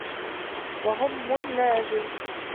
وَهَمٌّ لَازِمٌ